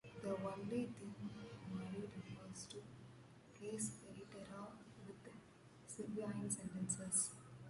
The only thing Mali did was to replace Eritrea with Serbia in sentences.